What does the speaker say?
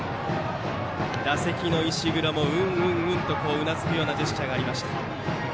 打席の石黒もうんうんとうなずくようなジェスチャーがありました。